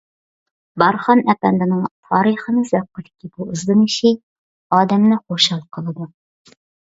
بارخان ئەپەندىنىڭ تارىخىمىز ھەققىدىكى بۇ ئىزدىنىشى ئادەمنى خۇشال قىلىدۇ.